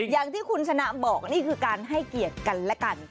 อย่างที่คุณชนะบอกนี่คือการให้เกียรติกันและกัน